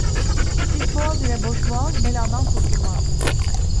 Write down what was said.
Pisboğaz ile boş boğaz, beladan kurtulmaz.